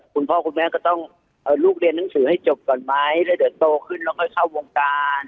คุณพ่อคุณแม่ก็ต้องลูกเรียนหนังสือให้จบก่อนไหมแล้วเดี๋ยวโตขึ้นแล้วค่อยเข้าวงการ